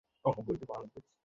যারীদের ব্যথা তাকে ব্যথিত করে।